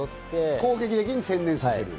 攻撃に専念させる。